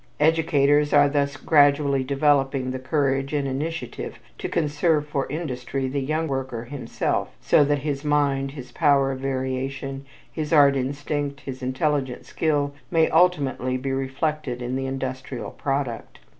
Educators are thus gradually developing the courage and initiative to conserve for industry the young worker himself so that his mind, his power of variation, his art instinct, his intelligent skill, may ultimately be reflected in the industrial product.